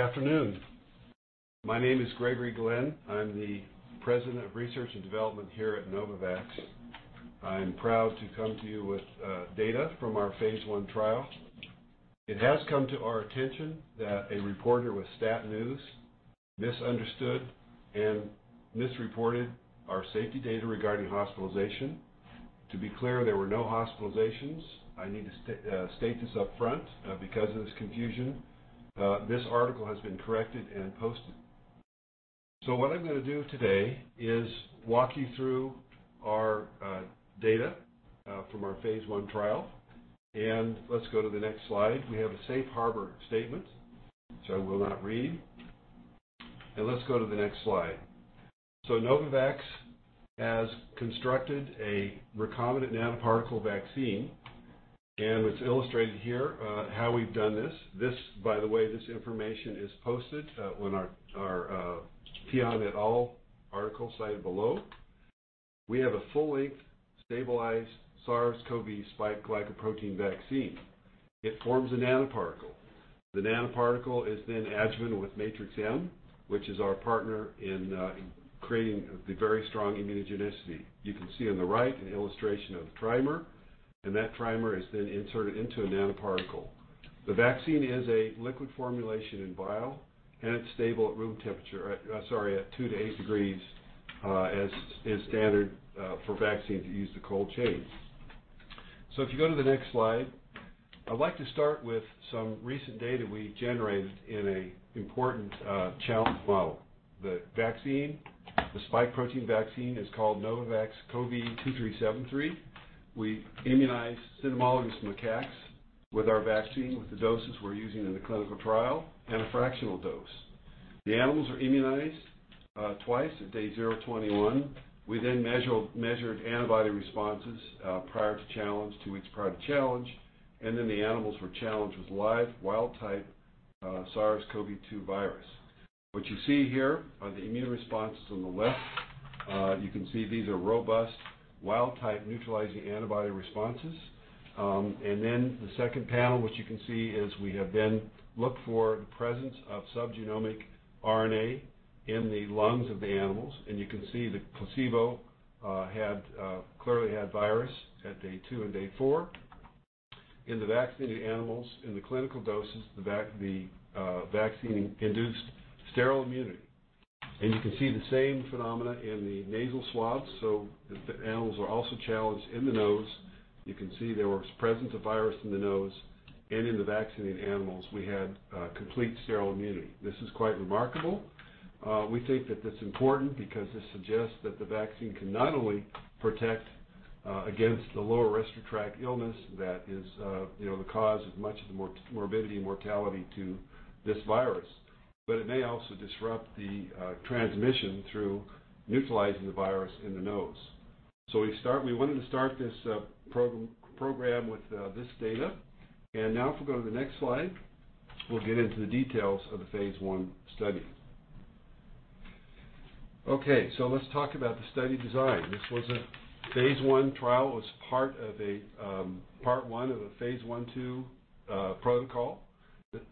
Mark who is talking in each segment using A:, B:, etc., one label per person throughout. A: Good afternoon. My name is Gregory Glenn. I'm the President of Research and Development here at Novavax. I'm proud to come to you with data from our phase I trial. It has come to our attention that a reporter with STAT News misunderstood and misreported our safety data regarding hospitalization. To be clear, there were no hospitalizations. I need to state this upfront because of this confusion. This article has been corrected and posted. What I'm going to do today is walk you through our data from our phase I trial. Let's go to the next slide. We have a safe harbor statement, which I will not read. Let's go to the next slide. Novavax has constructed a recombinant nanoparticle vaccine, and it's illustrated here how we've done this. This, by the way, this information is posted on our PLOS ONE article cited below. We have a full-length stabilized SARS-CoV-2 spike glycoprotein vaccine. It forms a nanoparticle. The nanoparticle is then adjuvanted with Matrix-M, which is our partner in creating the very strong immunogenicity. You can see on the right an illustration of the trimer, and that trimer is then inserted into a nanoparticle. The vaccine is a liquid formulation in a vial, and it's stable at room temperature—sorry, at two to eight degrees, as standard for vaccines that use the cold chain. So if you go to the next slide, I'd like to start with some recent data we generated in an important challenge model. The vaccine, the spike protein vaccine, is called NVX-CoV2373. We immunized cynomolgus macaques with our vaccine with the doses we're using in the clinical trial and a fractional dose. The animals were immunized twice at day zero and 21. We then measured antibody responses prior to challenge and two weeks prior to challenge, and then the animals were challenged with live wild-type SARS-CoV-2 virus. What you see here are the immune responses on the left. You can see these are robust wild-type neutralizing antibody responses. And then the second panel, which you can see, is we have then looked for the presence of subgenomic RNA in the lungs of the animals. And you can see the placebo had clearly had virus at day two and day four. In the vaccinated animals, in the clinical doses, the vaccine induced sterile immunity. And you can see the same phenomena in the nasal swabs. So the animals were also challenged in the nose. You can see there was presence of virus in the nose. And in the vaccinated animals, we had complete sterile immunity. This is quite remarkable. We think that this is important because this suggests that the vaccine can not only protect against the lower respiratory tract illness that is the cause of much of the morbidity and mortality to this virus, but it may also disrupt the transmission through neutralizing the virus in the nose. So we wanted to start this program with this data. And now if we go to the next slide, we'll get into the details of the phase I study. Okay. So let's talk about the study design. This was a phase I trial. It was part of part one of a phase I/II protocol.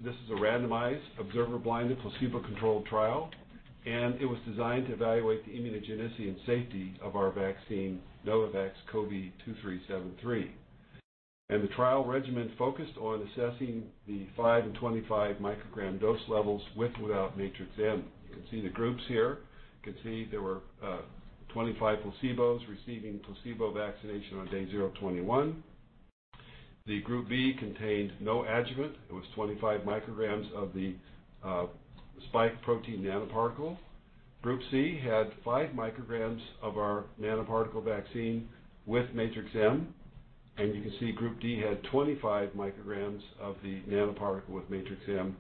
A: This is a randomized, observer-blinded, placebo-controlled trial. And it was designed to evaluate the immunogenicity and safety of our vaccine, NVX-CoV2373. And the trial regimen focused on assessing the 5 and 25 microgram dose levels with or without Matrix-M. You can see the groups here. You can see there were 25 placebos receiving placebo vaccination on day 21. Group B contained no adjuvant. It was 25 micrograms of the spike protein nanoparticle. Group C had 5 micrograms of our nanoparticle vaccine with Matrix-M. You can see Group D had 25 micrograms of the nanoparticle with Matrix-M.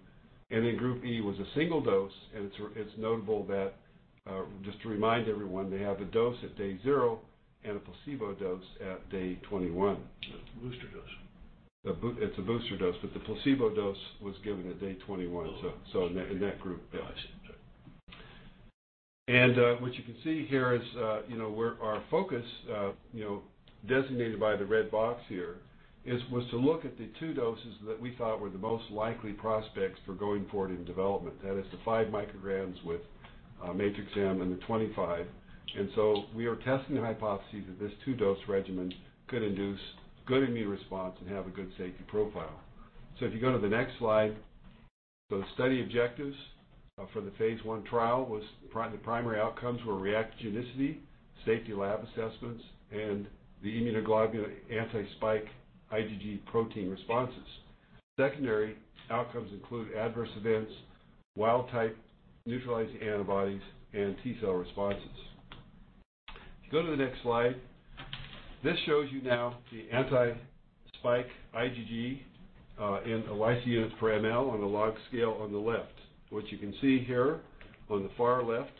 A: Group E was a single dose. It's notable that, just to remind everyone, they have the dose at day zero and a placebo dose at day 21.
B: It's a booster dose.
A: It's a booster dose, but the placebo dose was given at day 21, so in that group.
B: Gotcha.
A: What you can see here is our focus, designated by the red box here, was to look at the two doses that we thought were the most likely prospects for going forward in development. That is the 5 micrograms with Matrix-M and the 25. We are testing the hypothesis that this two-dose regimen could induce a good immune response and have a good safety profile. If you go to the next slide, the study objectives for the phase I trial were the primary outcomes, which were reactogenicity, safety lab assessments, and the immunoglobulin anti-spike IgG protein responses. Secondary outcomes include adverse events, wild-type neutralizing antibodies, and T-cell responses. If you go to the next slide, this shows you now the anti-spike IgG in a µg/mL on a log scale on the left. What you can see here on the far left,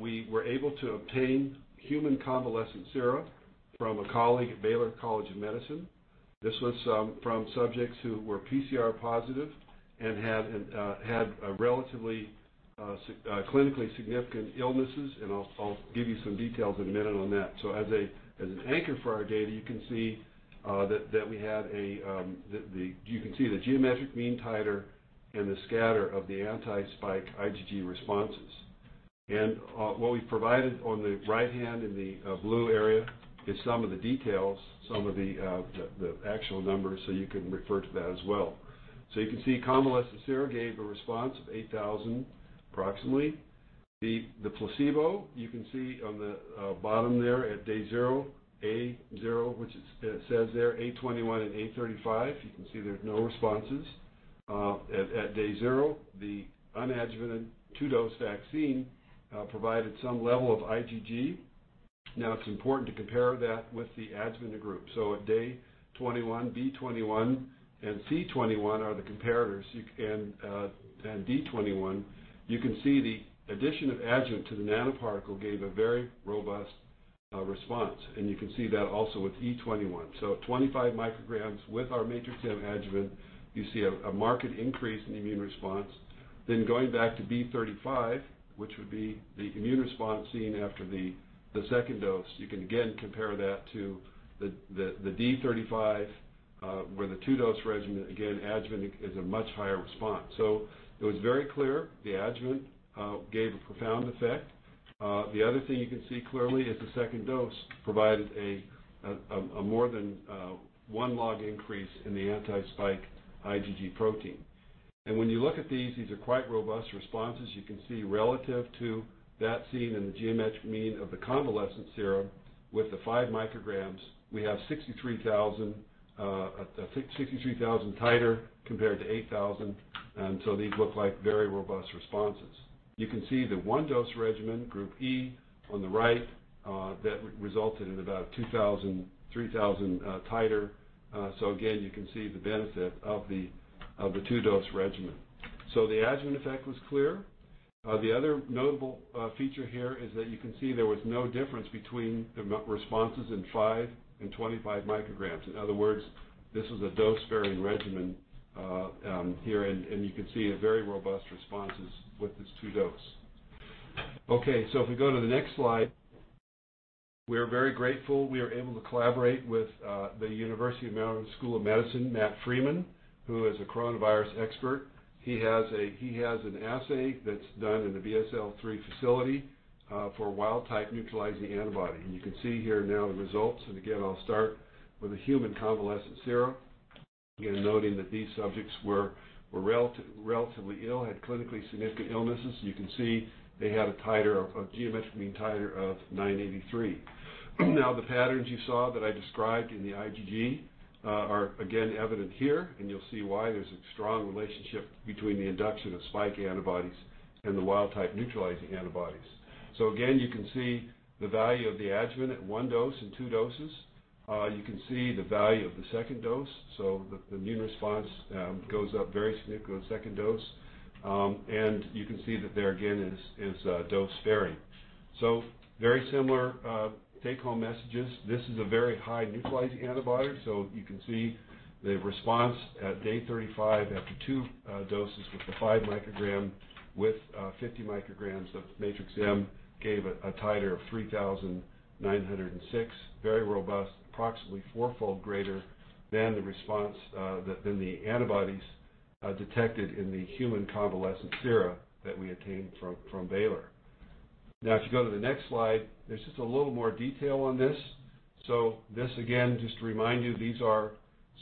A: we were able to obtain human convalescent serum from a colleague at Baylor College of Medicine. This was from subjects who were PCR positive and had relatively clinically significant illnesses. I'll give you some details in a minute on that. As an anchor for our data, you can see that we had—you can see the geometric mean titer and the scatter of the anti-spike IgG responses. What we provided on the right-hand in the blue area is some of the details, some of the actual numbers, so you can refer to that as well. You can see convalescent serum gave a response of 8,000 approximately. The placebo, you can see on the bottom there at day zero, A0, which it says there, 821 and 835, you can see there's no responses. At day zero, the unadjuvanted two-dose vaccine provided some level of IgG. Now, it's important to compare that with the adjuvant group, so at day 21, B21 and C21 are the comparators, and D21, you can see the addition of adjuvant to the nanoparticle gave a very robust response, and you can see that also with E21, so at 25 micrograms with our Matrix-M adjuvant, you see a marked increase in immune response. Then, going back to B35, which would be the immune response seen after the second dose, you can again compare that to the D35 with a two-dose regimen. Again, adjuvant is a much higher response, so it was very clear the adjuvant gave a profound effect. The other thing you can see clearly is the second dose provided a more than one-log increase in the anti-spike IgG protein. And when you look at these, these are quite robust responses. You can see relative to that seen in the geometric mean of the convalescent serum with the 5 micrograms, we have 63,000 titer compared to 8,000. And so these look like very robust responses. You can see the one-dose regimen, Group E on the right, that resulted in about 2,000 to 3,000 titer. So again, you can see the benefit of the two-dose regimen. So the adjuvant effect was clear. The other notable feature here is that you can see there was no difference between the responses in 5 and 25 micrograms. In other words, this was a dose-sparing regimen here. And you can see very robust responses with this two-dose. Okay. So if we go to the next slide, we are very grateful we are able to collaborate with the University of Maryland School of Medicine and Matthew Frieman, who is a coronavirus expert. He has an assay that's done in the BSL-3 facility for wild-type neutralizing antibody. You can see here now the results. Again, I'll start with a human convalescent serum. Again, noting that these subjects were relatively ill and had clinically significant illnesses. You can see they had a titer of geometric mean titer of 983. Now, the patterns you saw that I described in the IgG are again evident here. You'll see why there's a strong relationship between the induction of spike antibodies and the wild-type neutralizing antibodies. Again, you can see the value of the adjuvant at one dose and two doses. You can see the value of the second dose. The immune response goes up very significantly with the second dose. And you can see that there again is dose-sparing. Very similar take-home messages. This is a very high neutralizing antibody. You can see the response at day 35 after two doses with the 5 micrograms, with 50 micrograms of Matrix-M gave a titer of 3,906, very robust, approximately fourfold greater than the response than the antibodies detected in the human convalescent serum that we obtained from Baylor. Now, if you go to the next slide, there's just a little more detail on this. This again, just to remind you, these are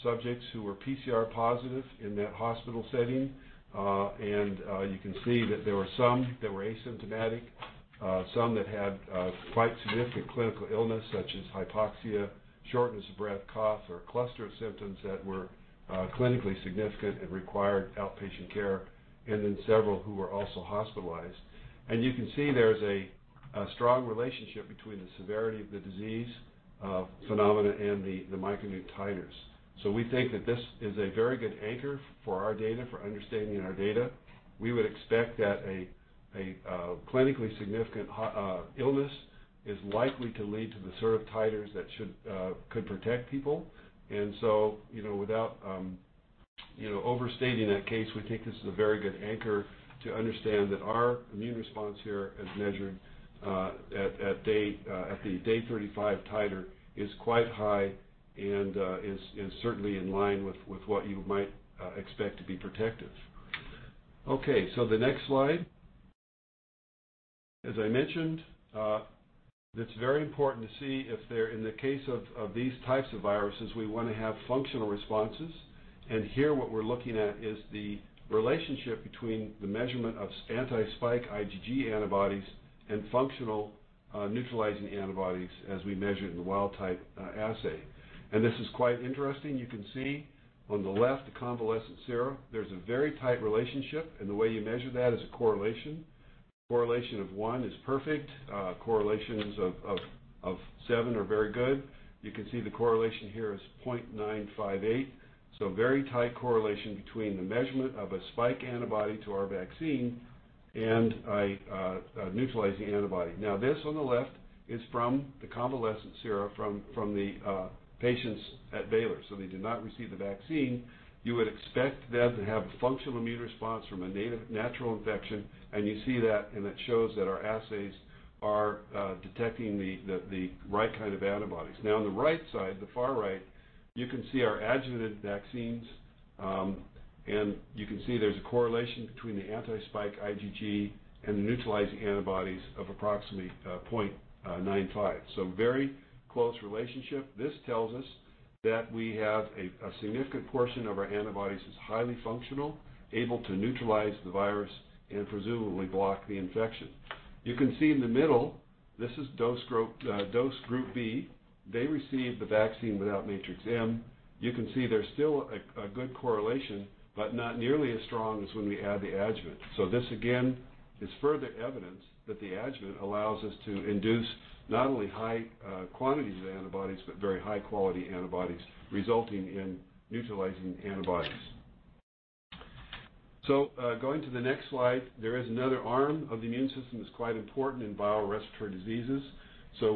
A: subjects who were PCR positive in that hospital setting. And you can see that there were some that were asymptomatic, some that had quite significant clinical illness such as hypoxia, shortness of breath, cough, or clusters of symptoms that were clinically significant and required outpatient care, and then several who were also hospitalized. And you can see there's a strong relationship between the severity of the disease phenomena and the micro-immune titers. So we think that this is a very good anchor for our data for understanding our data. We would expect that a clinically significant illness is likely to lead to the sort of titers that could protect people. And so without overstating that case, we think this is a very good anchor to understand that our immune response here is measured at the day 35 titer is quite high and is certainly in line with what you might expect to be protective. Okay. So the next slide. As I mentioned, it's very important to see if they're in the case of these types of viruses; we want to have functional responses. Here what we're looking at is the relationship between the measurement of anti-spike IgG antibodies and functional neutralizing antibodies as we measure it in the wild-type assay. And this is quite interesting. You can see on the left, the convalescent serum; there's a very tight relationship. And the way you measure that is a correlation. A correlation of one is perfect. Correlations of 0.7 are very good. You can see the correlation here is 0.958. So very tight correlation between the measurement of a spike antibody to our vaccine and a neutralizing antibody. Now, this on the left is from the convalescent serum from the patients at Baylor. So they did not receive the vaccine. You would expect them to have a functional immune response from a natural infection, and you see that, and it shows that our assays are detecting the right kind of antibodies. Now, on the right side, the far right, you can see our adjuvant vaccines, and you can see there's a correlation between the anti-spike IgG and the neutralizing antibodies of approximately 0.95. So very close relationship. This tells us that we have a significant portion of our antibodies is highly functional, able to neutralize the virus and presumably block the infection. You can see in the middle, this is dose group B. They received the vaccine without Matrix-M. You can see there's still a good correlation, but not nearly as strong as when we add the adjuvant. This again is further evidence that the adjuvant allows us to induce not only high quantities of antibodies, but very high-quality antibodies, resulting in neutralizing antibodies. Going to the next slide, there is another arm of the immune system that's quite important in viral respiratory diseases.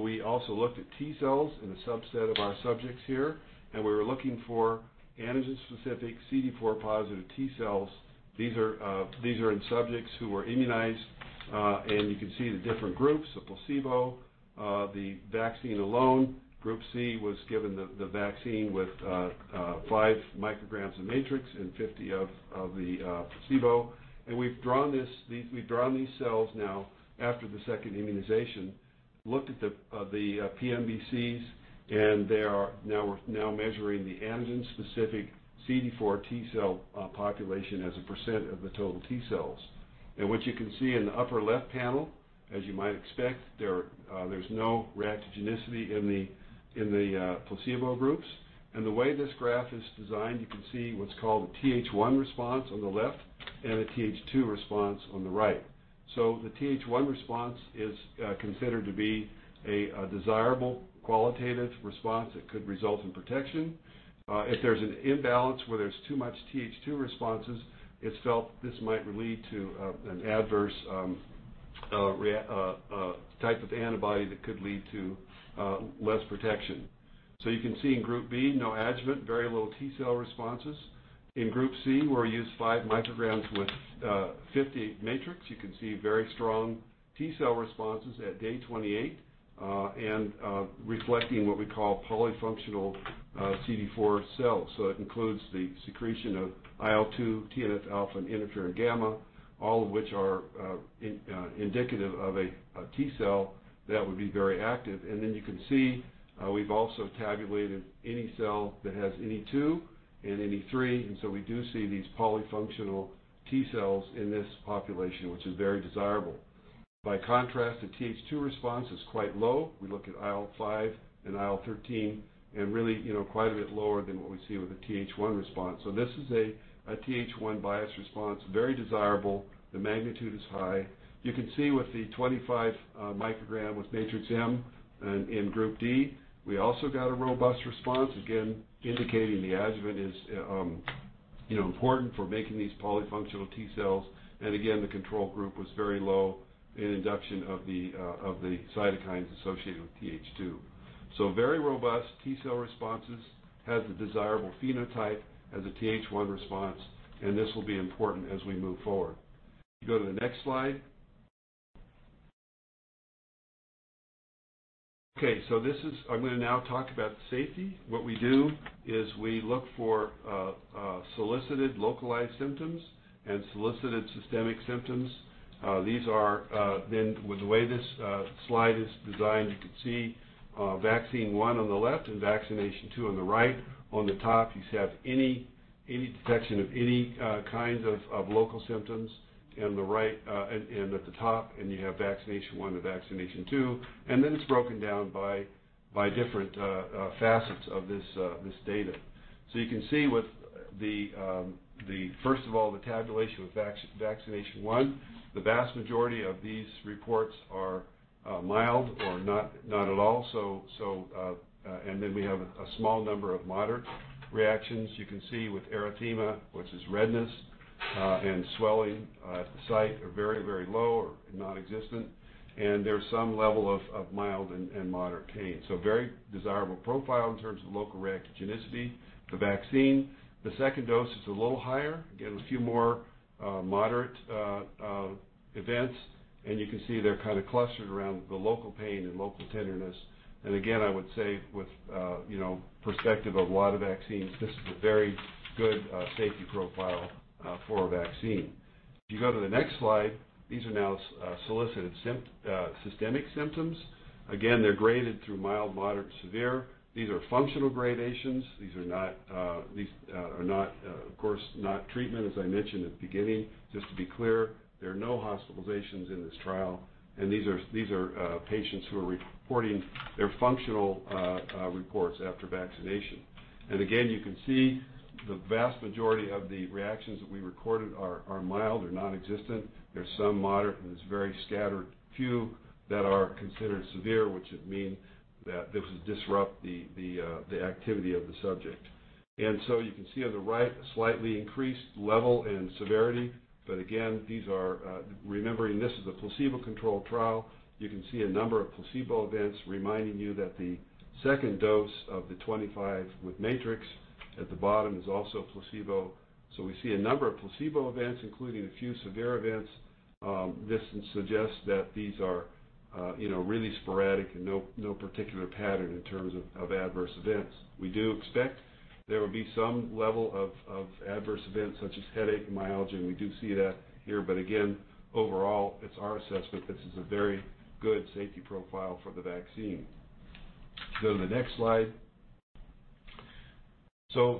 A: We also looked at T cells in a subset of our subjects here. We were looking for antigen-specific CD4+ T cells. These are in subjects who were immunized. You can see the different groups, the placebo, and the vaccine alone. Group C was given the vaccine with 5 micrograms of Matrix and 50 of the placebo. We've drawn these cells now after the second immunization, looked at the PBMCs, and they are now measuring the antigen-specific CD4+ T-cell population as a % of the total T cells. What you can see in the upper left panel, as you might expect, there's no reactogenicity in the placebo groups. The way this graph is designed, you can see what's called a Th1 response on the left and a Th2 response on the right. The Th1 response is considered to be a desirable qualitative response that could result in protection. If there's an imbalance where there's too much Th2 responses, it's felt this might lead to an adverse type of antibody that could lead to less protection. You can see in group B, no adjuvant, very little T-cell responses. In group C, where we use five micrograms with 50 Matrix, you can see very strong T-cell responses at day 28, reflecting what we call polyfunctional CD4 cells. It includes the secretion of IL-2, TNF-alpha, and interferon gamma, all of which are indicative of a T-cell that would be very active. Then you can see we've also tabulated any cell that has any two and any three. We do see these polyfunctional T-cells in this population, which is very desirable. By contrast, the Th2 response is quite low. We look at IL-5 and IL-13, and really quite a bit lower than what we see with the Th1 response. This is a Th1 bias response, very desirable. The magnitude is high. You can see with the 25 microgram with Matrix-M in group D, we also got a robust response, again, indicating the adjuvant is important for making these polyfunctional T-cells. Again, the control group was very low in induction of the cytokines associated with Th2. So very robust T-cell responses, has a desirable phenotype, has a Th1 response, and this will be important as we move forward. Go to the next slide. Okay. So I'm going to now talk about safety. What we do is we look for solicited localized symptoms and solicited systemic symptoms. These are then with the way this slide is designed, you can see vaccine one on the left and vaccination two on the right. On the top, you have any detection of any kinds of local symptoms, and at the top, and you have vaccination one and vaccination two. And then it's broken down by different facets of this data. So you can see with the first of all, the tabulation with vaccination one, the vast majority of these reports are mild or not at all. And then we have a small number of moderate reactions. You can see with erythema, which is redness and swelling at the site, are very, very low or nonexistent, and there's some level of mild and moderate pain, so very desirable profile in terms of local reactogenicity. The vaccine, the second dose, is a little higher. Again, a few more moderate events, and you can see they're kind of clustered around the local pain and local tenderness, and again, I would say with perspective of a lot of vaccines, this is a very good safety profile for a vaccine. If you go to the next slide, these are now solicited systemic symptoms. Again, they're graded through mild, moderate, severe. These are functional gradations. These are not, of course, not treatment, as I mentioned at the beginning. Just to be clear, there are no hospitalizations in this trial, and these are patients who are reporting their functional reports after vaccination. And again, you can see the vast majority of the reactions that we recorded are mild or nonexistent. There are some moderate, and there are very scattered few that are considered severe, which would mean that this would disrupt the activity of the subject. And so you can see on the right a slightly increased level and severity. But again, remembering this is a placebo-controlled trial, you can see a number of placebo events reminding you that the second dose of the 25 with Matrix at the bottom is also placebo. So we see a number of placebo events, including a few severe events. This suggests that these are really sporadic and no particular pattern in terms of adverse events. We do expect there will be some level of adverse events such as headache and myalgia. And we do see that here. Again, overall, it's our assessment this is a very good safety profile for the vaccine. Go to the next slide.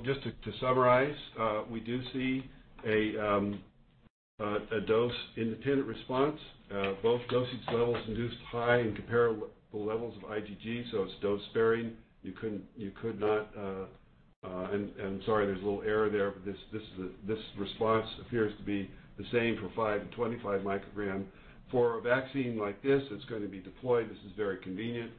A: Just to summarize, we do see a dose-independent response. Both dosage levels induced high and comparable levels of IgG. It's dose-varying. You could not, and I'm sorry; there's a little error there. This response appears to be the same for five and 25 microgram. For a vaccine like this, it's going to be deployed. This is very convenient.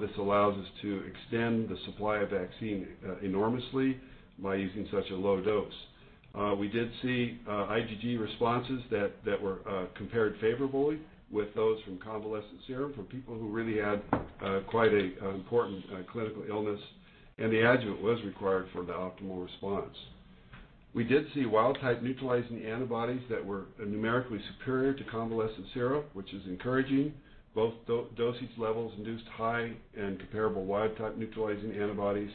A: This allows us to extend the supply of vaccine enormously by using such a low dose. We did see IgG responses that were compared favorably with those from convalescent serum for people who really had quite an important clinical illness. And the adjuvant was required for the optimal response. We did see wild-type neutralizing antibodies that were numerically superior to convalescent serum, which is encouraging. Both dosage levels induced high and comparable wild-type neutralizing antibodies,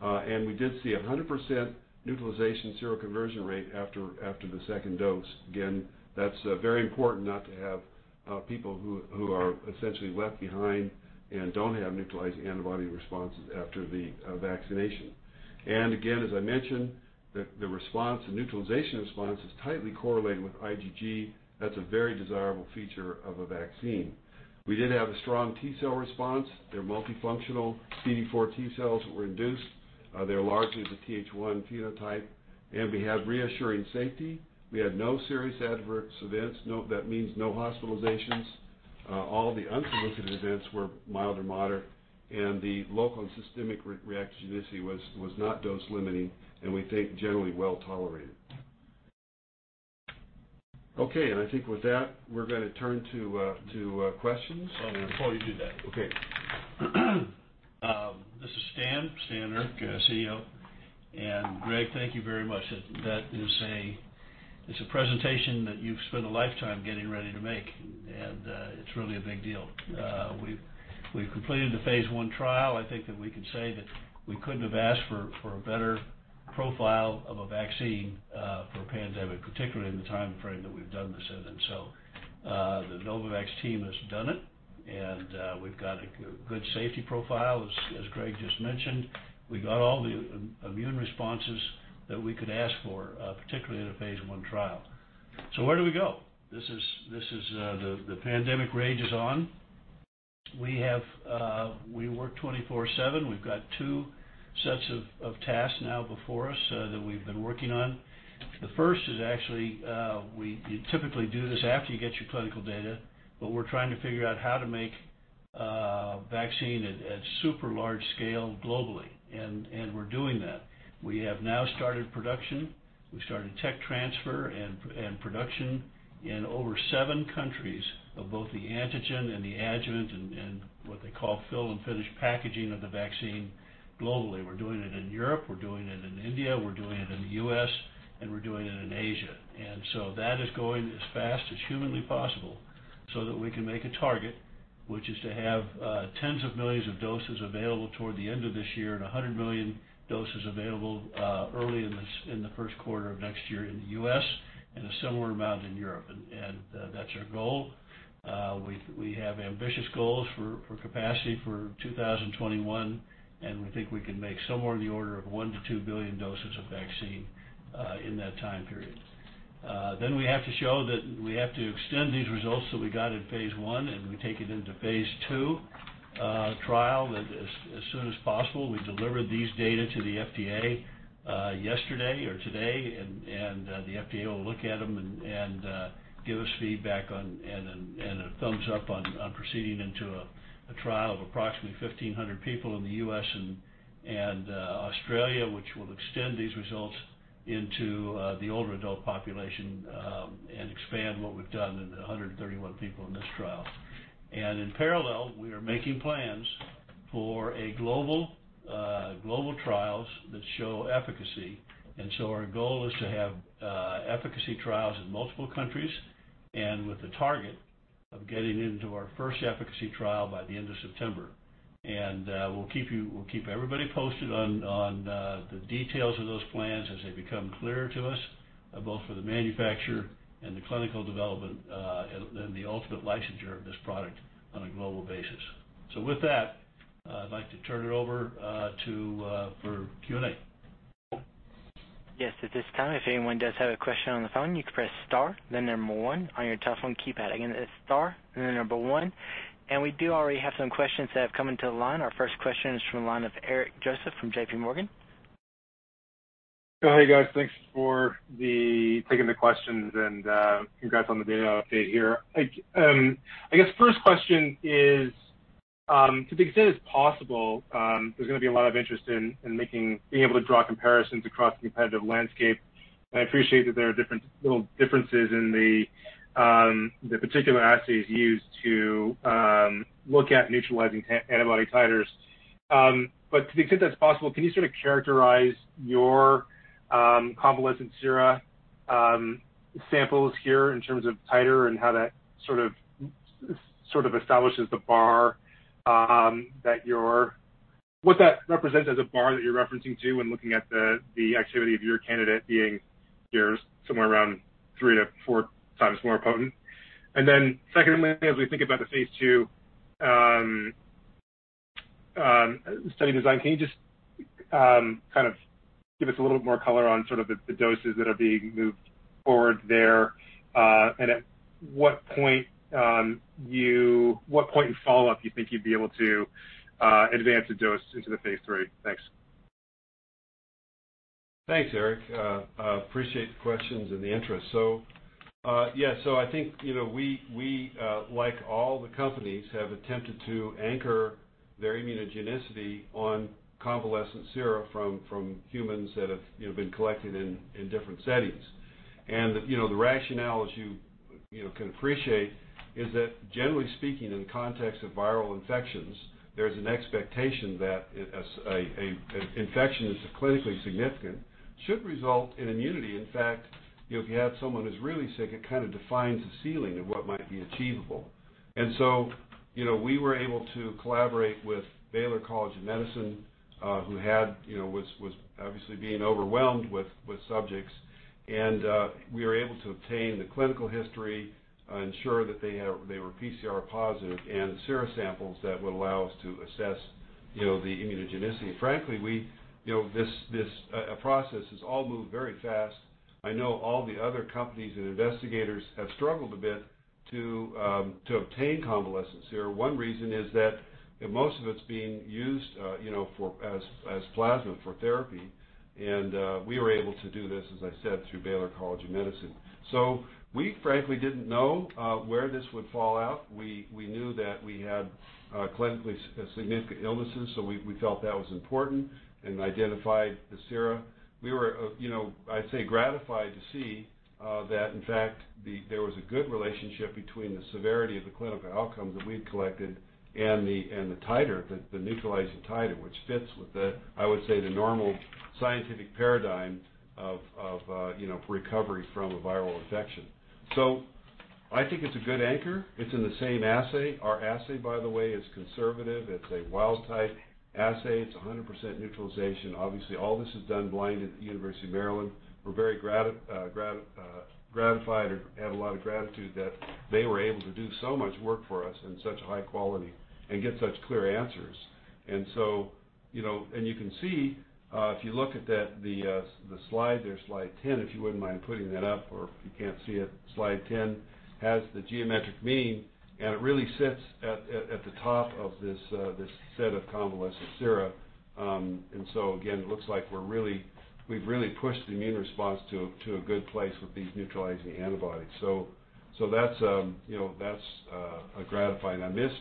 A: and we did see a 100% neutralization seroconversion rate after the second dose. Again, that's very important not to have people who are essentially left behind and don't have neutralizing antibody responses after the vaccination, and again, as I mentioned, the response and neutralization response is tightly correlated with IgG. That's a very desirable feature of a vaccine. We did have a strong T-cell response. They're multifunctional CD4 T-cells that were induced. They're largely the TH1 phenotype, and we had reassuring safety. We had no serious adverse events. That means no hospitalizations. All the unsolicited events were mild or moderate, and the local and systemic reactogenicity was not dose-limiting, and we think generally well tolerated. Okay, and I think with that, we're going to turn to questions.
B: I'll let Paulie do that.
A: Okay.
B: This is Stan Erck, CEO, and Greg. Thank you very much. That is a presentation that you've spent a lifetime getting ready to make, and it's really a big deal. We've completed the phase I trial. I think that we can say that we couldn't have asked for a better profile of a vaccine for a pandemic, particularly in the timeframe that we've done this in, and so the Novavax team has done it, and we've got a good safety profile, as Greg just mentioned. We got all the immune responses that we could ask for, particularly in a phase I trial, so where do we go? The pandemic rages on. We work 24/7. We've got two sets of tasks now before us that we've been working on. The first is, actually, we typically do this after you get your clinical data, but we're trying to figure out how to make vaccine at super large scale globally, and we're doing that. We have now started production. We started tech transfer and production in over seven countries of both the antigen and the adjuvant and what they call fill and finish packaging of the vaccine globally. We're doing it in Europe. We're doing it in India. We're doing it in the U.S., and we're doing it in Asia, and so that is going as fast as humanly possible so that we can make a target, which is to have tens of millions of doses available toward the end of this year and 100 million doses available early in the first quarter of next year in the U.S. and a similar amount in Europe, and that's our goal. We have ambitious goals for capacity for 2021. And we think we can make somewhere in the order of one to two billion doses of vaccine in that time period. Then we have to show that we have to extend these results that we got in phase I and we take it into phase II trial as soon as possible. We delivered these data to the FDA yesterday or today. And the FDA will look at them and give us feedback and a thumbs up on proceeding into a trial of approximately 1,500 people in the U.S. and Australia, which will extend these results into the older adult population and expand what we've done in the 131 people in this trial. And in parallel, we are making plans for global trials that show efficacy. And so our goal is to have efficacy trials in multiple countries and with the target of getting into our first efficacy trial by the end of September. And we'll keep everybody posted on the details of those plans as they become clearer to us, both for the manufacturer and the clinical development and the ultimate licensure of this product on a global basis. So with that, I'd like to turn it over for Q&A.
C: Yes. At this time, if anyone does have a question on the phone, you can press star, then number one on your telephone keypad. Again, it's star and then number one. And we do already have some questions that have come into the line. Our first question is from the line of Eric Joseph from J.P. Morgan.
D: Hey, guys. Thanks for taking the questions, and congrats on the data update here. I guess the first question is, to the extent it's possible, there's going to be a lot of interest in being able to draw comparisons across the competitive landscape. And I appreciate that there are different little differences in the particular assays used to look at neutralizing antibody titers. But to the extent that's possible, can you sort of characterize your convalescent serum samples here in terms of titer and how that sort of establishes the bar that you're—what that represents as a bar that you're referencing to when looking at the activity of your candidate being somewhere around three to four times more potent? And then secondly, as we think about the phase II study design, can you just kind of give us a little bit more color on sort of the doses that are being moved forward there and at what point in follow-up you think you'd be able to advance a dose into the phase III? Thanks.
A: Thanks, Eric. I appreciate the questions and the interest. So yeah, so I think we, like all the companies, have attempted to anchor their immunogenicity on convalescent serum from humans that have been collected in different settings. And the rationale, as you can appreciate, is that generally speaking, in the context of viral infections, there's an expectation that an infection that's clinically significant should result in immunity. In fact, if you have someone who's really sick, it kind of defines the ceiling of what might be achievable. And so we were able to collaborate with Baylor College of Medicine, who was obviously being overwhelmed with subjects. And we were able to obtain the clinical history and ensure that they were PCR positive and serum samples that would allow us to assess the immunogenicity. Frankly, this process has all moved very fast. I know all the other companies and investigators have struggled a bit to obtain convalescent serum. One reason is that most of it's being used as plasma for therapy, and we were able to do this, as I said, through Baylor College of Medicine, so we, frankly, didn't know where this would fall out. We knew that we had clinically significant illnesses, so we felt that was important and identified the serum. We were, I'd say, gratified to see that, in fact, there was a good relationship between the severity of the clinical outcomes that we'd collected and the titer, the neutralizing titer, which fits with, I would say, the normal scientific paradigm of recovery from a viral infection, so I think it's a good anchor. It's in the same assay. Our assay, by the way, is conservative. It's a wild-type assay. It's 100% neutralization. Obviously, all this is done blind at the University of Maryland. We're very gratified or have a lot of gratitude that they were able to do so much work for us in such high quality and get such clear answers. And you can see, if you look at the slide there, slide 10, if you wouldn't mind putting that up or if you can't see it, slide 10 has the geometric mean. And it really sits at the top of this set of convalescent serum. And so again, it looks like we've really pushed the immune response to a good place with these neutralizing antibodies. So that's gratifying. I missed.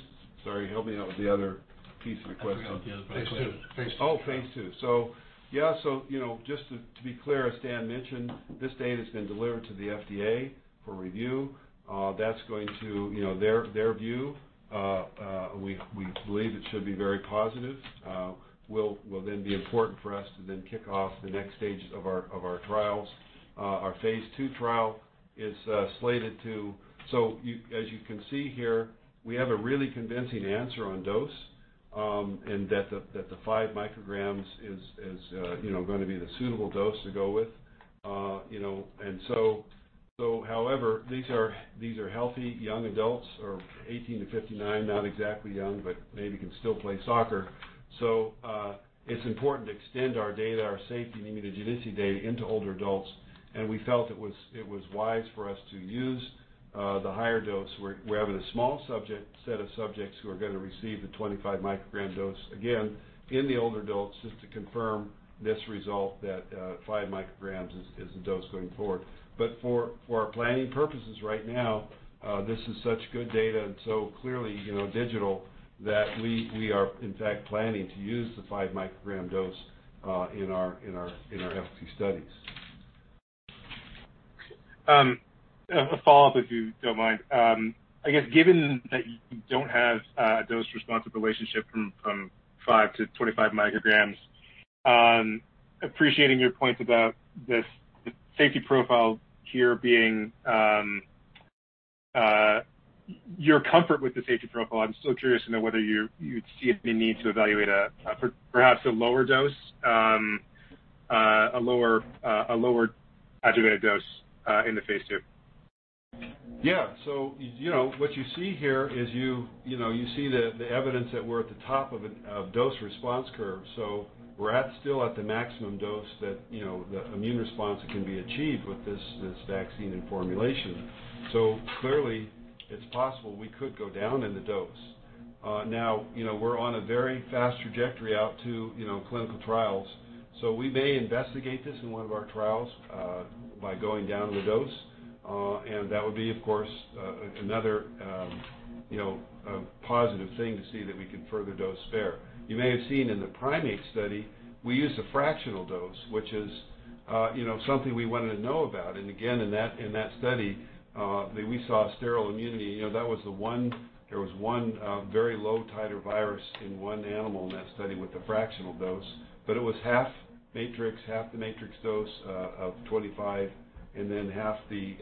A: Sorry, help me out with the other piece of the question.
B: phase II.
A: Oh, phase II. So yeah. So just to be clear, as Stan mentioned, this data has been delivered to the FDA for review. That's going to their review. We believe it should be very positive. It will then be important for us to then kick off the next stages of our trials. Our phase II trial is slated to, so as you can see here, we have a really convincing answer on dose and that the five micrograms is going to be the suitable dose to go with. And so, however, these are healthy young adults or 18-59, not exactly young, but maybe they can still play soccer. So it's important to extend our data, our safety, and immunogenicity data into older adults. And we felt it was wise for us to use the higher dose. We're having a small set of subjects who are going to receive the 25-microgram dose again in the older adults just to confirm this result that five micrograms is the dose going forward, but for our planning purposes right now, this is such good data and so clearly superior that we are, in fact, planning to use the five-microgram dose in our healthy studies.
D: A follow-up, if you don't mind. I guess given that you don't have a dose-responsive relationship from five to 25 micrograms, appreciating your point about the safety profile here being your comfort with the safety profile, I'm still curious to know whether you'd see any need to evaluate perhaps a lower dose, a lower aggregated dose in the phase II?
A: Yeah. So what you see here is you see the evidence that we're at the top of a dose-response curve. So we're still at the maximum dose that the immune response can be achieved with this vaccine and formulation. So clearly, it's possible we could go down in the dose. Now, we're on a very fast trajectory out to clinical trials. So we may investigate this in one of our trials by going down in the dose. And that would be, of course, another positive thing to see that we could further dose spare. You may have seen in the primate study, we used a fractional dose, which is something we wanted to know about. And again, in that study, we saw sterile immunity. That was the one. There was one very low titer virus in one animal in that study with the fractional dose. But it was half matrix, half the matrix dose of 25, and then half the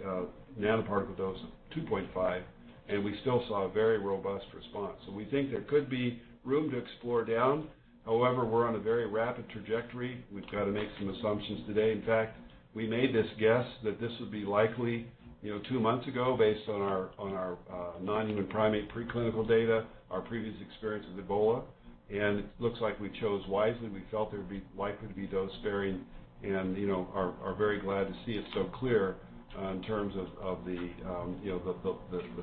A: nanoparticle dose of 2.5. And we still saw a very robust response. So we think there could be room to explore down. However, we're on a very rapid trajectory. We've got to make some assumptions today. In fact, we made this guess that this would be likely two months ago based on our non-human primate preclinical data and our previous experience with Ebola. And it looks like we chose wisely. We felt there would be likely to be dose sparing. And we're very glad to see it so clear in terms of the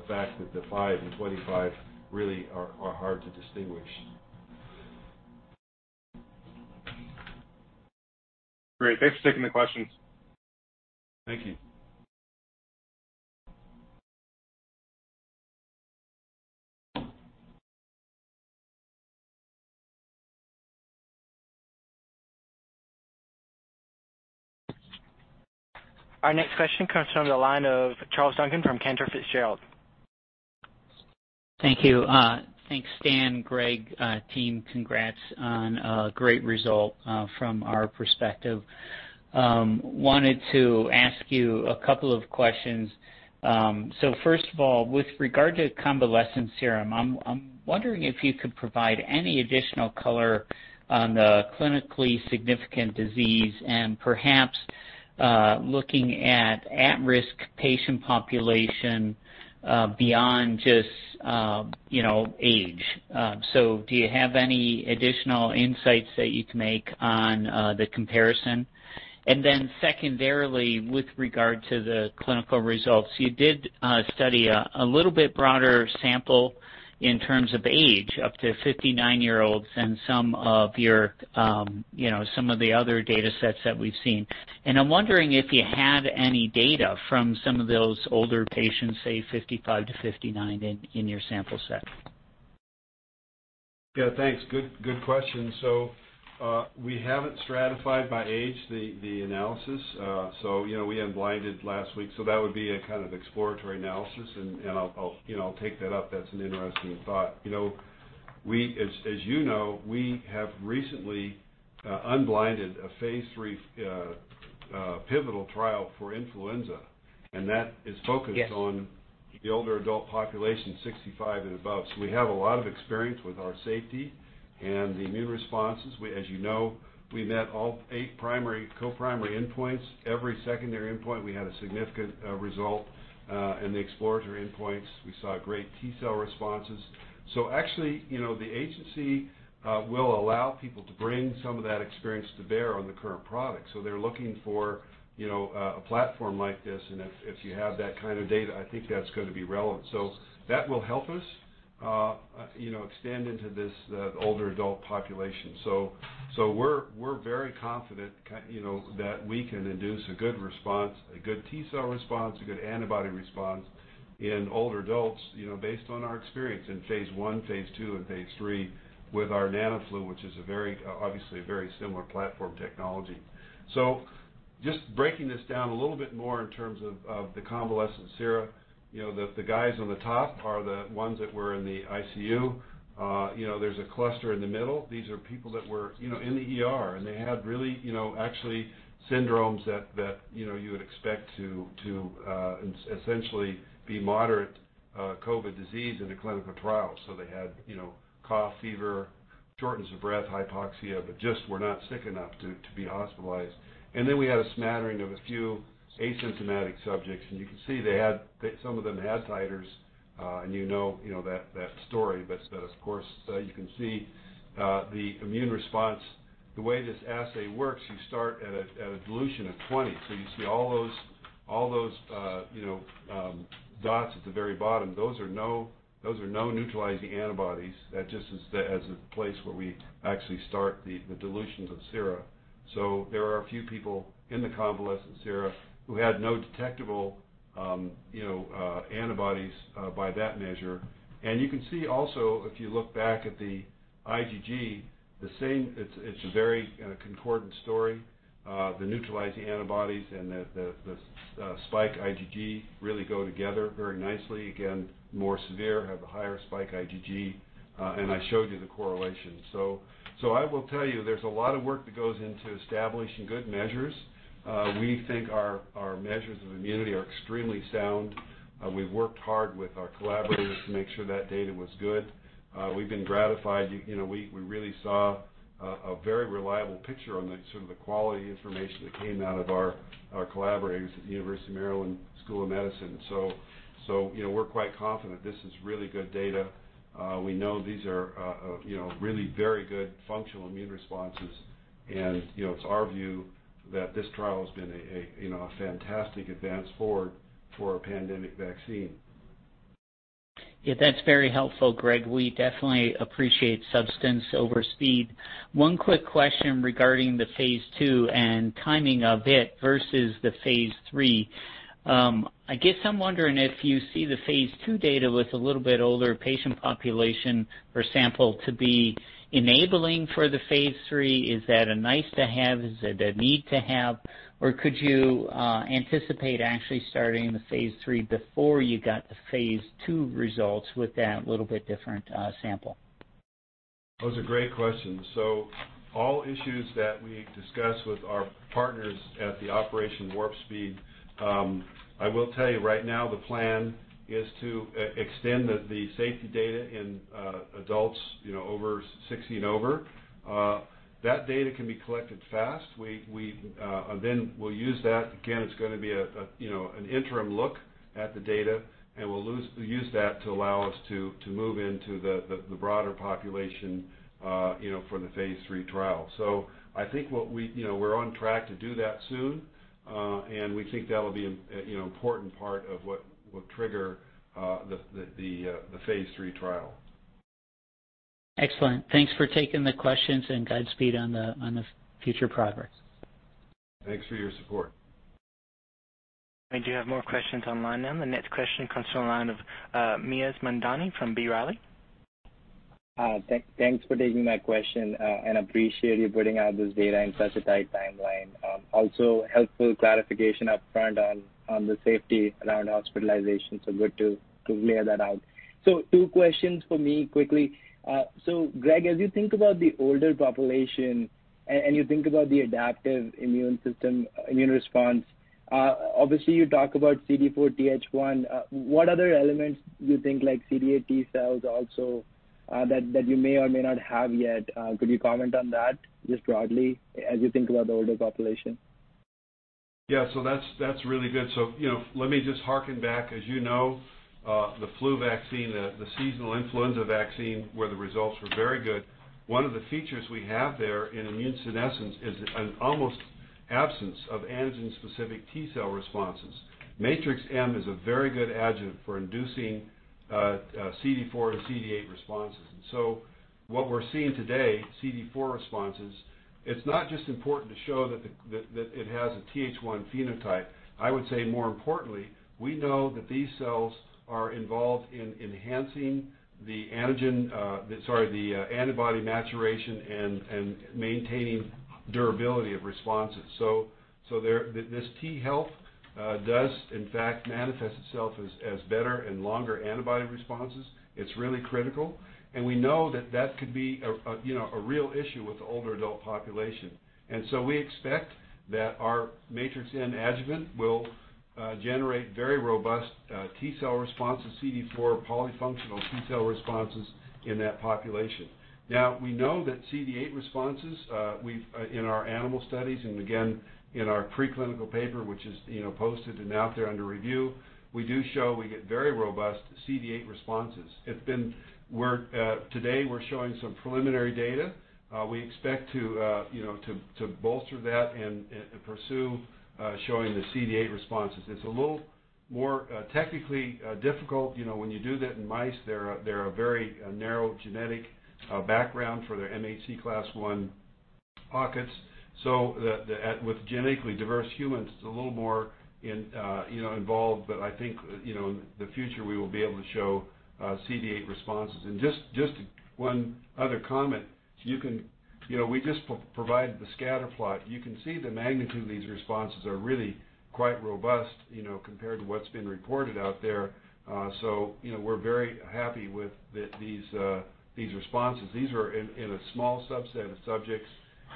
A: fact that the 5 and 25 really are hard to distinguish.
D: Great. Thanks for taking the questions.
A: Thank you.
C: Our next question comes from the line of Charles Duncan from Cantor Fitzgerald.
E: Thank you. Thanks, Stan, Greg, and team. Congrats on a great result from our perspective. Wanted to ask you a couple of questions. So first of all, with regard to convalescent serum, I'm wondering if you could provide any additional color on the clinically significant disease and perhaps look at at-risk patient population beyond just age. So do you have any additional insights that you can make on the comparison? And then secondarily, with regard to the clinical results, you did study a little bit broader sample in terms of age, up to 59-year-olds, and some of the other data sets that we've seen. And I'm wondering if you had any data from some of those older patients, say 55 to 59, in your sample set.
A: Yeah. Thanks. Good question. So we haven't stratified by age in the analysis. So we unblinded last week. So that would be a kind of exploratory analysis. And I'll take that up. That's an interesting thought. As you know, we have recently unblinded a phase III pivotal trial for influenza. And that is focused on the older adult population, 65 and above. So we have a lot of experience with our safety and the immune responses. As you know, we met all eight co-primary endpoints. Every secondary endpoint, we had a significant result. And the exploratory endpoints, we saw great T cell responses. So actually, the agency will allow people to bring some of that experience to bear on the current product. So they're looking for a platform like this. And if you have that kind of data, I think that's going to be relevant. So that will help us extend into this older adult population. So we're very confident that we can induce a good response, a good T cell response, and a good antibody response in older adults based on our experience in phase I, phase II, and phase III with our NanoFlu, which is obviously a very similar platform technology. So just breaking this down a little bit more in terms of the convalescent serum, the guys on the top are the ones that were in the ICU. There's a cluster in the middle. These are people that were ill, and they had really, actually, syndromes that you would expect to essentially be moderate COVID disease in a clinical trial. So they had cough, fever, shortness of breath, and hypoxia but just were not sick enough to be hospitalized. And then we had a smattering of a few asymptomatic subjects. And you can see some of them had titers. And you know that story. But of course, you can see the immune response. The way this assay works, you start at a dilution of 20. So you see all those dots at the very bottom. Those are no neutralizing antibodies. That just is the place where we actually start the dilution of serum. So there are a few people in the convalescent serum who had no detectable antibodies by that measure. And you can see also, if you look back at the IgG, it's a very concordant story. The neutralizing antibodies and the spike IgG really go together very nicely. Again, more severe have a higher spike in IgG. And I showed you the correlation. So I will tell you, there's a lot of work that goes into establishing good measures. We think our measures of immunity are extremely sound. We've worked hard with our collaborators to make sure that data was good. We've been gratified. We really saw a very reliable picture on sort of the quality information that came out of our collaborators at the University of Maryland School of Medicine, so we're quite confident this is really good data. We know these are really very good functional immune responses, and it's our view that this trial has been a fantastic advance forward for a pandemic vaccine.
E: Yeah. That's very helpful, Greg. We definitely appreciate substance over speed. One quick question regarding the phase II and timing of it versus the phase III. I guess I'm wondering if you see the phase II data with a little bit older patient population or sample to be enabling for the phase III. Is that a nice-to-have? Is it a need to have? Or could you anticipate actually starting the phase III before you got the phase II results with that little bit different sample?
A: Those are great questions. So all issues that we discuss with our partners at Operation Warp Speed, I will tell you right now, the plan is to extend the safety data in adults over 60 and over. That data can be collected fast. Then we'll use that. Again, it's going to be an interim look at the data. And we'll use that to allow us to move into the broader population for the phase III trial. So I think we're on track to do that soon. And we think that'll be an important part of what will trigger the phase III trial.
E: Excellent. Thanks for taking the questions, and Godspeed on the future progress.
A: Thanks for your support.
C: Do you have more questions online now? The next question comes from the line of Mayank Mamtani from B. Riley.
F: Thanks for taking my question. And I appreciate you putting out this data in such a tight timeline. Also helpful clarification upfront on the safety around hospitalization. So good to lay that out. So two questions for me quickly. So Greg, as you think about the older population and you think about the adaptive immune response, obviously you talk about CD4 and Th1. What other elements do you think, like CD8 T cells also, that you may or may not have yet? Could you comment on that just broadly as you think about the older population?
A: Yeah. So that's really good. So let me just hearken back. As you know, the flu vaccine, the seasonal influenza vaccine, where the results were very good. One of the features we have there in immune senescence is an almost absence of antigen-specific T cell responses. Matrix-M is a very good adjuvant for inducing CD4 and CD8 responses. And so what we're seeing today, CD4 responses, is not just important to show that it has a Th1 phenotype. I would say more importantly, we know that these cells are involved in enhancing the antibody maturation and maintaining durability of responses. So this T help does, in fact, manifest itself as better and longer antibody responses. It's really critical. And we know that that could be a real issue with the older adult population. And so we expect that our Matrix-M adjuvant will generate very robust T cell responses, CD4 polyfunctional T cell responses in that population. Now, we know that CD8 responses in our animal studies and again, in our preclinical paper, which is posted and out there under review, we do show we get very robust CD8 responses. Today, we're showing some preliminary data. We expect to bolster that and pursue showing the CD8 responses. It's a little more technically difficult. When you do that in mice, there are very narrow genetic backgrounds for their MHC class I pockets. So with genetically diverse humans, it's a little more involved. But I think in the future, we will be able to show CD8 responses. And just one other comment. We just provided the scatter plot. You can see the magnitude of these responses are really quite robust compared to what's been reported out there. So we're very happy with these responses. These are in a small subset of subjects.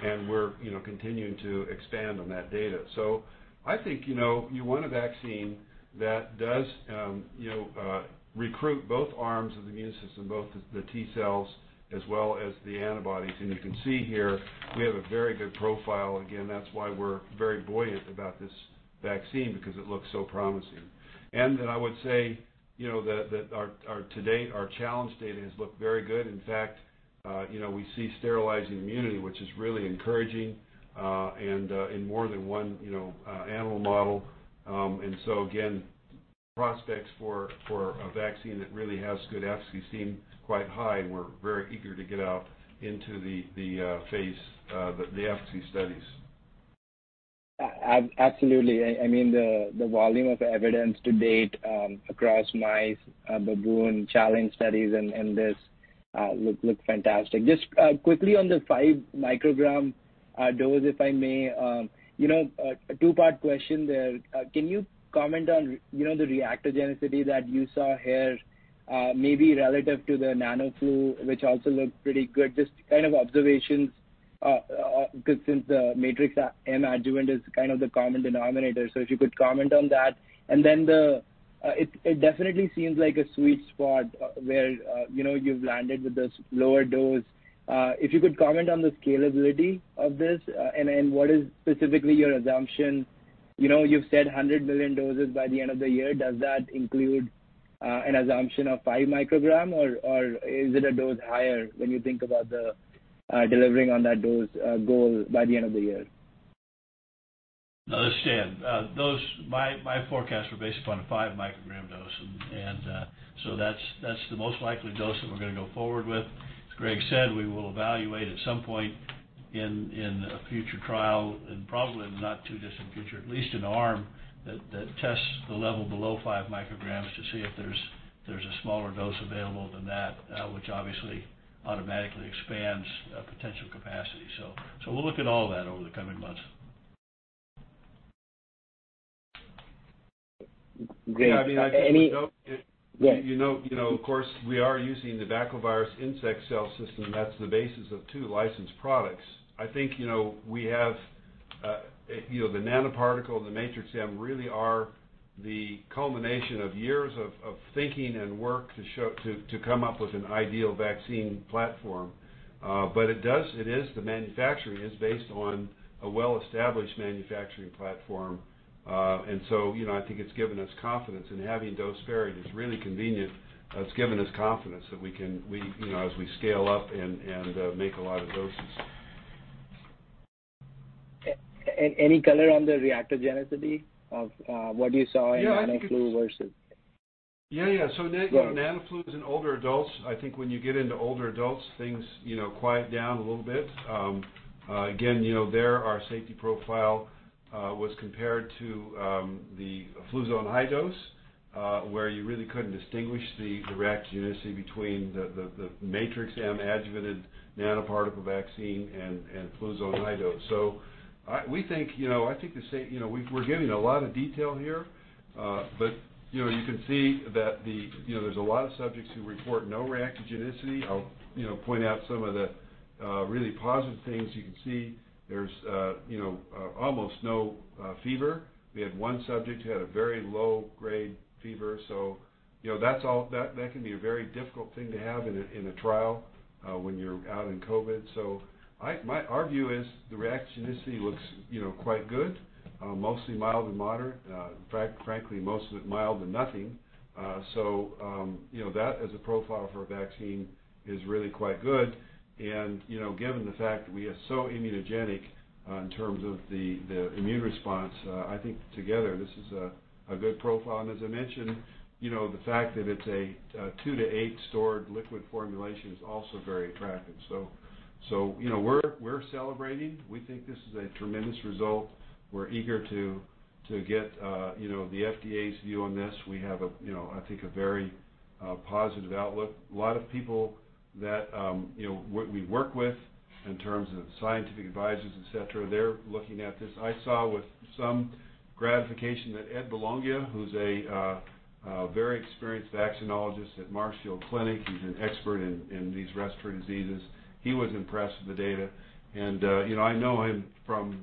A: And we're continuing to expand on that data. So I think you want a vaccine that does recruit both arms of the immune system, both the T cells as well as the antibodies. And you can see here, we have a very good profile. Again, that's why we're very buoyant about this vaccine because it looks so promising. And then I would say that today, our challenge data has looked very good. In fact, we see sterilizing immunity, which is really encouraging in more than one animal model. And so again, prospects for a vaccine that really has good efficacy seem quite high. And we're very eager to get out into the phase, the efficacy studies.
F: Absolutely. I mean, the volume of evidence to date across mice, baboons, challenge studies, and this look fantastic. Just quickly on the five-microgram dose, if I may, a two-part question there. Can you comment on the reactogenicity that you saw here, maybe relative to the NanoFlu, which also looked pretty good? Just kind of observations since the Matrix-M adjuvant is kind of the common denominator. So if you could comment on that. And then it definitely seems like a sweet spot where you've landed with this lower dose. If you could comment on the scalability of this and what is specifically your assumption? You've said 100 million doses by the end of the year. Does that include an assumption of five-microgram? Or is it a dose higher when you think about delivering on that dose goal by the end of the year?
B: No, that's standard. My forecasts were based upon a five microgram dose, and so that's the most likely dose that we're going to go forward with. As Greg said, we will evaluate at some point in a future trial, and probably not too distant a future, at least an arm that tests the level below five micrograms to see if there's a smaller dose available than that, which obviously automatically expands potential capacity, so we'll look at all of that over the coming months.
F: Greg, any?
A: Yeah. Of course, we are using the baculovirus insect cell system. That's the basis of two licensed products. I think we have the nanoparticle and the Matrix-M really are the culmination of years of thinking and work to come up with an ideal vaccine platform. But it is the manufacturing is based on a well-established manufacturing platform. And so I think it's given us confidence. And having doses varied is really convenient. It's given us confidence that we can, as we scale up and make a lot of doses.
F: Any color on the reactogenicity of what you saw in NanoFlu versus?
A: Yeah. Yeah. NanoFlu in older adults, I think when you get into older adults, things quiet down a little bit. Again, their safety profile was compared to the Fluzone High-Dose, where you really couldn't distinguish the reactogenicity between the Matrix-M adjuvanted nanoparticle vaccine and Fluzone High-Dose. So I think we're giving a lot of detail here. But you can see that there's a lot of subjects who report no reactogenicity. I'll point out some of the really positive things. You can see there's almost no fever. We had one subject who had a very low-grade fever. So that can be a very difficult thing to have in a trial when you're out in COVID. So our view is the reactogenicity looks quite good, mostly mild to moderate. Frankly, most of it mild to nothing. So that as a profile for a vaccine is really quite good. And given the fact that we are so immunogenic in terms of the immune response, I think together this is a good profile. And as I mentioned, the fact that it's a two to eight-stored liquid formulation is also very attractive. So we're celebrating. We think this is a tremendous result. We're eager to get the FDA's view on this. We have, I think, a very positive outlook. A lot of people that we work with in terms of scientific advisors, etc., they're looking at this. I saw with some gratification that Ed Belongia, who's a very experienced vaccinologist at Marshfield Clinic, he's an expert in these respiratory diseases. He was impressed with the data. And I know him from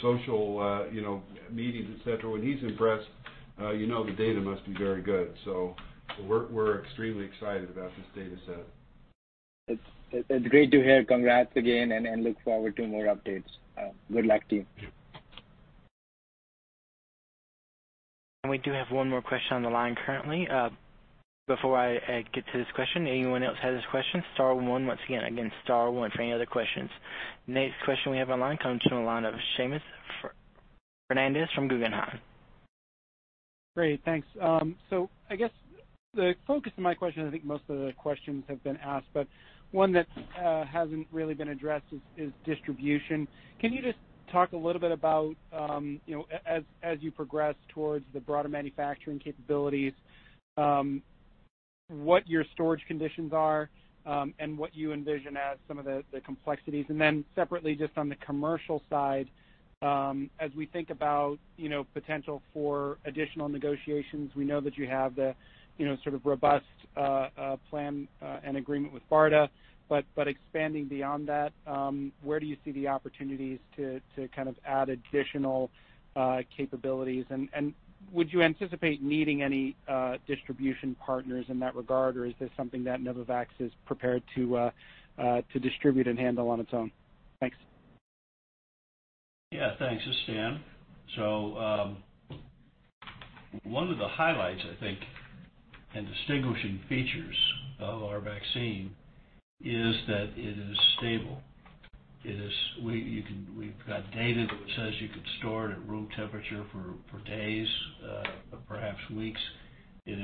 A: social meetings, etc. When he's impressed, you know the data must be very good. So we're extremely excited about this data set.
F: It's great to hear. Congrats again. And look forward to more updates. Good luck to you.
C: And we do have one more question on the line currently. Before I get to this question, anyone else have this question? Star one, once again, star one for any other questions. Next question we have online comes from Seamus Fernandez from Guggenheim.
G: Great. Thanks. So I guess the focus of my question, I think most of the questions have been asked, but one that hasn't really been addressed is distribution. Can you just talk a little bit about, as you progress towards the broader manufacturing capabilities, what your storage conditions are and what you envision as some of the complexities? And then separately, just on the commercial side, as we think about the potential for additional negotiations, we know that you have the sort of robust plan and agreement with BARDA. But expanding beyond that, where do you see the opportunities to kind of add additional capabilities? And would you anticipate needing any distribution partners in that regard? Or is this something that Novavax is prepared to distribute and handle on its own? Thanks.
B: Yeah. Thanks. This is Stan, so one of the highlights, I think, and distinguishing features of our vaccine is that it is stable. We've got data that says you can store it at room temperature for days, perhaps weeks. It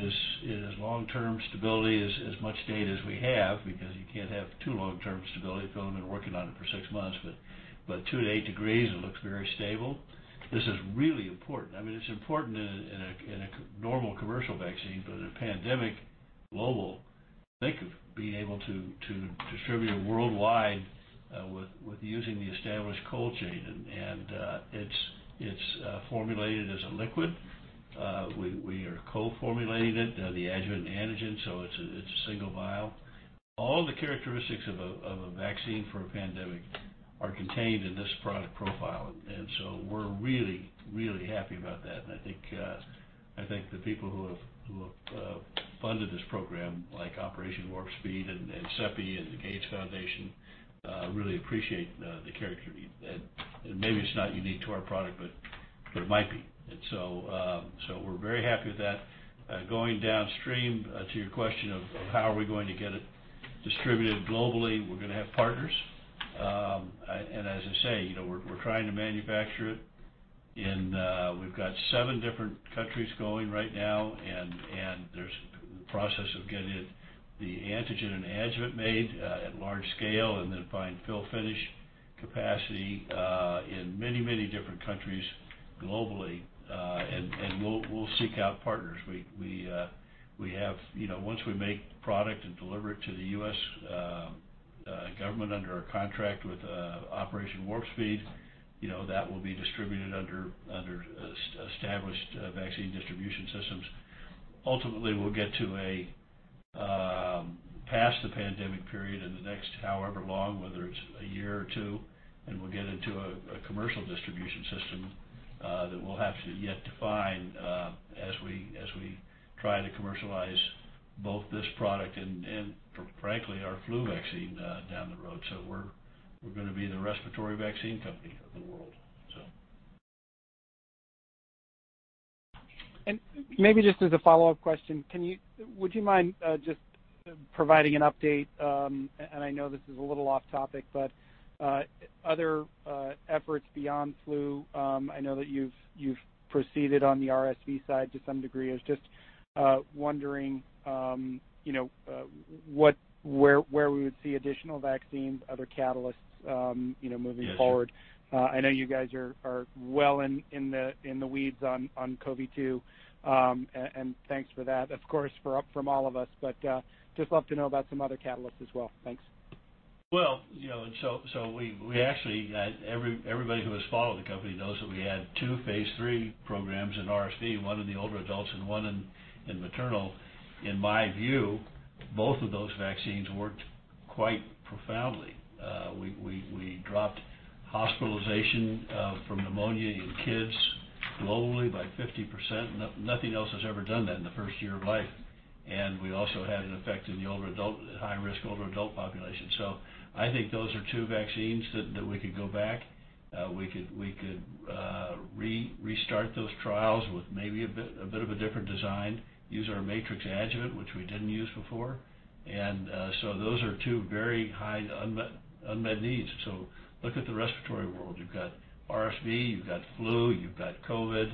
B: has long-term stability as much data as we have because you can't have too long-term stability if you're only working on it for six months, but two to eight degrees, it looks very stable. This is really important. I mean, it's important in a normal commercial vaccine, but in a pandemic global, think of being able to distribute it worldwide with using the established cold chain, and it's formulated as a liquid. We are co-formulating it, the adjuvant and antigen, so it's a single vial. All the characteristics of a vaccine for a pandemic are contained in this product profile, and so we're really, really happy about that. I think the people who have funded this program, like Operation Warp Speed and CEPI and the Gates Foundation, really appreciate the character. And maybe it's not unique to our product, but it might be. And so we're very happy with that. Going downstream to your question of how are we going to get it distributed globally, we're going to have partners. And as I say, we're trying to manufacture it. We've got seven different countries going right now. And there's the process of getting the antigen and adjuvant made at a large scale and then find fill-finish capacity in many, many different countries globally. And we'll seek out partners. Once we make the product and deliver it to the U.S. government under our contract with Operation Warp Speed, that will be distributed under established vaccine distribution systems. Ultimately, we'll get past the pandemic period in the next however long, whether it's a year or two, and we'll get into a commercial distribution system that we'll have to yet define as we try to commercialize both this product and, frankly, our flu vaccine down the road. So we're going to be the respiratory vaccine company of the world, so.
G: And maybe just as a follow-up question, would you mind just providing an update? And I know this is a little off topic, but other efforts beyond flu, I know that you've proceeded on the RSV side to some degree. I was just wondering where we would see additional vaccines, other catalysts moving forward. I know you guys are well in the weeds on COVID-19. And thanks for that, of course, from all of us. But just love to know about some other catalysts as well. Thanks.
A: So we actually got everybody who has followed the company knows that we had two phase III programs in RSV, one in the older adults and one in maternal. In my view, both of those vaccines worked quite profoundly. We dropped hospitalization from pneumonia in kids globally by 50%. Nothing else has ever done that in the first year of life. And we also had an effect in the high-risk older adult population. So I think those are two vaccines that we could go back to. We could restart those trials with maybe a bit of a different design. Use our Matrix-M adjuvant, which we didn't use before. And so those are two very high unmet needs. So look at the respiratory world. You've got RSV, you've got flu, you've got COVID.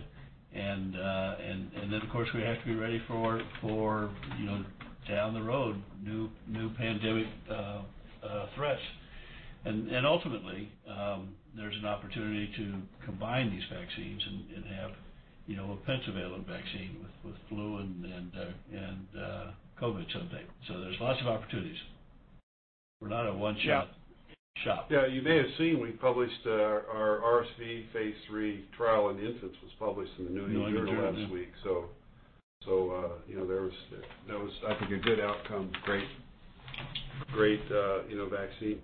A: And then, of course, we have to be ready for down the road new pandemic threats. Ultimately, there's an opportunity to combine these vaccines and have a combo available vaccine with flu and COVID someday. There's lots of opportunities. We're not a one-shot shop.
B: Yeah. You may have seen we published our RSV phase III trial in the infants was published in the New England Journal of Medicine last week. So there was, I think, a good outcome, great vaccine.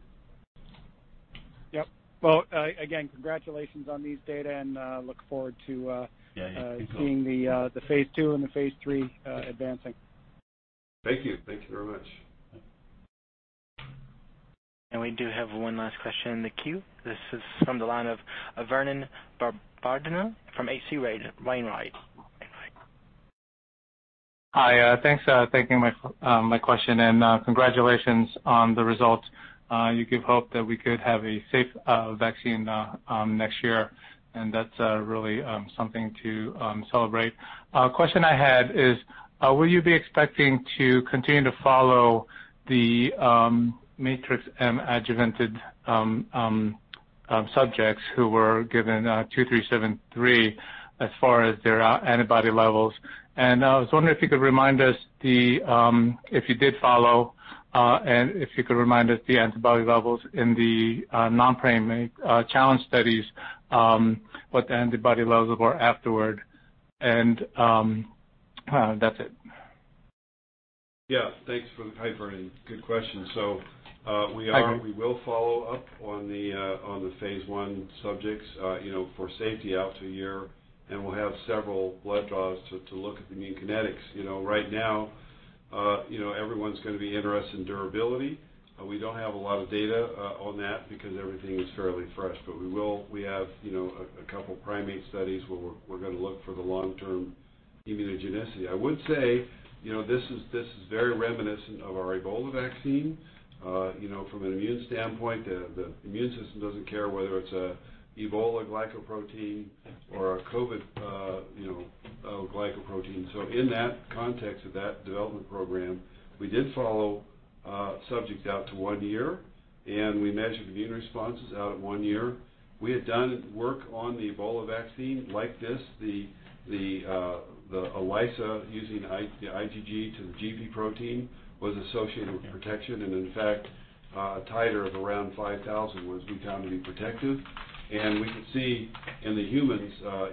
G: Yep. Well, again, congratulations on these data and look forward to seeing the phase II and the phase III advancing.
A: Thank you. Thank you very much.
C: And we do have one last question in the queue. This is from the line of Vernon Bernardino from H.C. Wainwright.
H: Hi. Thanks for taking my question. And congratulations on the results. You give hope that we could have a safe vaccine next year. And that's really something to celebrate. Question I had is, will you be expecting to continue to follow the Matrix-M adjuvanted subjects who were given 2373 as far as their antibody levels? And I was wondering if you could remind us if you did follow and if you could remind us the antibody levels in the non-primate challenge studies, what the antibody levels were afterward. And that's it.
A: Yeah. Thanks. Hi, Vernon. Good question. So we will follow up on the phase I subjects for safety out to a year. And we'll have several blood draws to look at the immune kinetics. Right now, everyone's going to be interested in durability. We don't have a lot of data on that because everything is fairly fresh. But we have a couple of primate studies where we're going to look for the long-term immunogenicity. I would say this is very reminiscent of our Ebola vaccine. From an immune standpoint, the immune system doesn't care whether it's an Ebola glycoprotein or a COVID glycoprotein. So in that context of that development program, we did follow subjects out to one year. And we measured immune responses out at one year. We had done work on the Ebola vaccine like this. The ELISA using the IgG to the GP protein was associated with protection, and in fact, a titer of around 5,000 was, we found, to be protective. We could see in the humans at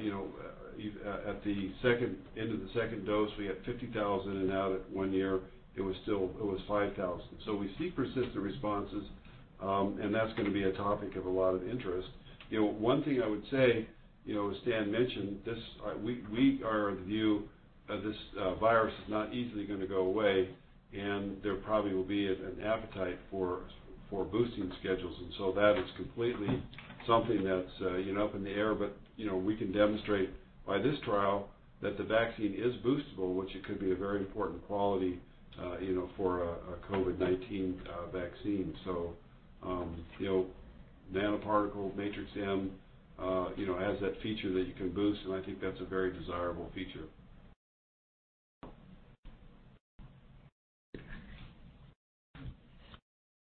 A: the end of the second dose, we had 50,000. And now at one year, it was 5,000. So we see persistent responses, and that's going to be a topic of a lot of interest. One thing I would say, as Stan mentioned, we are of the view this virus is not easily going to go away. And there probably will be an appetite for boosting schedules, and so that is completely something that's up in the air. But we can demonstrate by this trial that the vaccine is boostable, which it could be a very important quality for a COVID-19 vaccine. So nanoparticle Matrix-M has that feature that you can boost.I think that's a very desirable feature.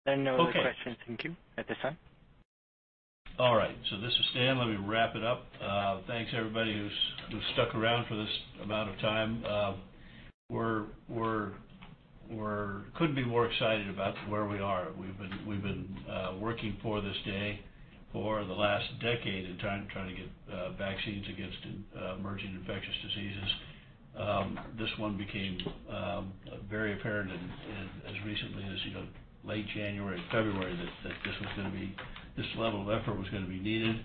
C: No other questions. Thank you at this time.
B: All right. So this is Stan. Let me wrap it up. Thanks everybody who stuck around for this amount of time. We couldn't be more excited about where we are. We've been working for this day for the last decade in trying to get vaccines against emerging infectious diseases. This one became very apparent as recently as late January and February that this level of effort was going to be needed.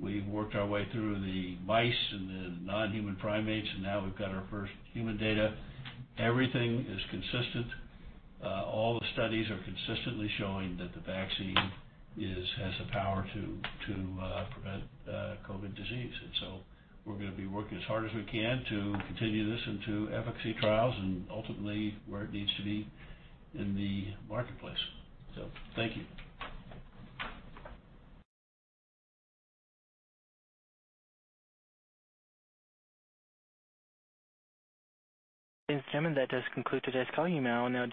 B: We worked our way through the mice and the non-human primates. And now we've got our first human data. Everything is consistent. All the studies are consistently showing that the vaccine has the power to prevent COVID disease. And so we're going to be working as hard as we can to continue this into efficacy trials and ultimately where it needs to be in the marketplace. So thank you.
C: Thanks, Jim. And that does conclude today's call. Email now.